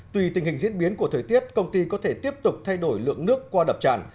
tùy tình hình diễn biến của thời tiết công ty có thể tiếp tục thay đổi lượng nước qua đập tràn